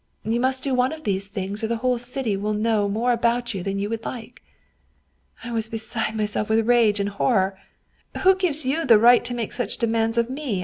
You must do one of these things, or the whole city will know more about you than you would like.' I was beside myself with rage and horror. ' Who gives you the right to make such demands of me?'